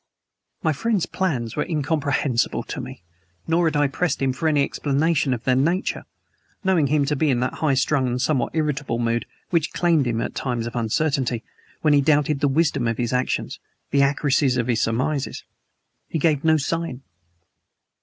My friend's plans were incomprehensible to me, nor had I pressed him for any explanation of their nature, knowing him to be in that high strung and somewhat irritable mood which claimed him at times of uncertainty when he doubted the wisdom of his actions, the accuracy of his surmises. He gave no sign.